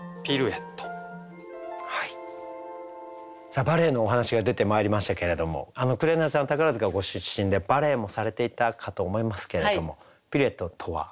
さあバレエのお話が出てまいりましたけれども紅さんは宝塚ご出身でバレエもされていたかと思いますけれどもピルエットとは？